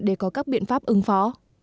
để có các biện pháp ứng phó